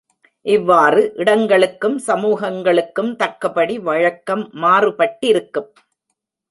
இவ்வாறு இடங்களுக்கும் சமூகங்களுக்கும் தக்கபடி வழக்கம் மாறுபட்டிருக்கும்.